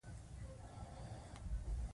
هغه د ناپلیون دوه مجسمې اخیستې وې.